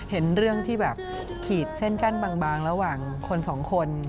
เห็นเรื่องที่แบบขีดเส้นกั้นบางระหว่างคนสองคน